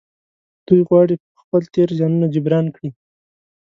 دوی غواړي خپل تېر زيانونه جبران کړي.